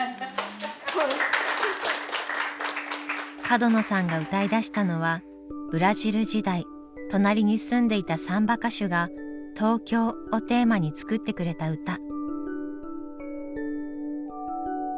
角野さんが歌いだしたのはブラジル時代隣に住んでいたサンバ歌手が「東京」をテーマに作ってくれた歌。